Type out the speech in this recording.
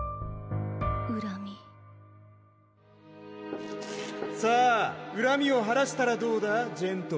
うらみさぁうらみを晴らしたらどうだ？